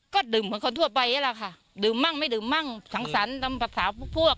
ก็ดื่มเหมือนคนทั่วไปนี่แหละค่ะดื่มมั่งไม่ดื่มมั่งสังสรรค์ตามภาษาพวกพวก